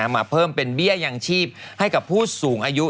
มาเพิ่มเป็นเบี้ยยังชีพให้กับผู้สูงอายุ